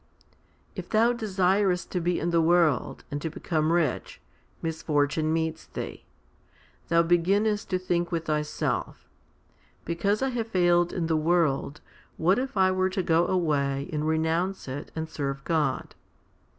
If thou desirest to be in the world, and to become rich, misfortune meets thee. Thou beginnest to 1 2 Cor. vi. 16. HOMILY XXXII 237 think with thyself, "Because I have failed in the world, what if I were to go away and renounce it and serve God